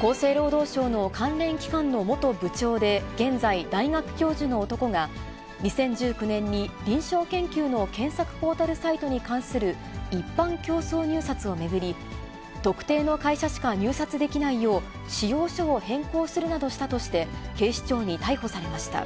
厚生労働省の関連機関の元部長で、現在、大学教授の男が、２０１９年に臨床研究の検索ポータルサイトに関する一般競争入札を巡り、特定の会社しか入札できないよう、仕様書を変更するなどしたとして、警視庁に逮捕されました。